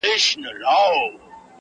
کلونه وروسته هم يادېږي تل,